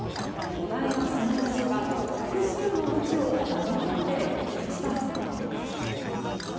巨大な砂嵐が複数の街をのみ込んでいきました。